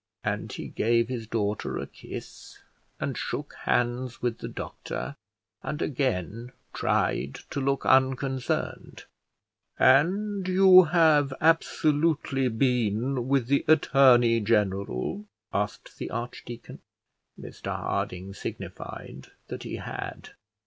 And he gave his daughter a kiss, and shook hands with the doctor, and again tried to look unconcerned. "And you have absolutely been with the attorney general?" asked the archdeacon. Mr Harding signified that he had.